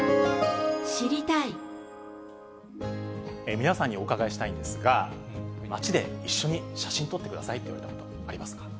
皆さんにお伺いしたいんですが、街で一緒に写真撮ってくださいって言われたことありますか？